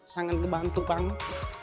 sangat membantu banget